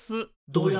「どや」